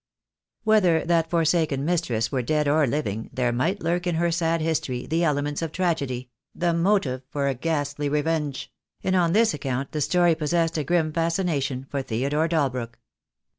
Whether that forsaken mistress were dead or living there might lurk in her sad history the elements of tragedy, THE DAY WILL GOME. 79 the motive for a ghastly revenge; and on this account the story possessed a grim fascination for Theodore Dal brook.